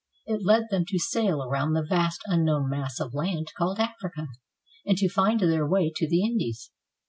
It led them to sail around the vast unknown mass of land called Africa, and to find their way to the Indies.